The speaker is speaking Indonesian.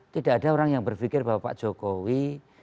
tidak ada orang yang berpikir bahwa pak jokowi